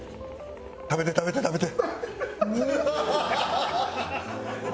食べて食べて食べて。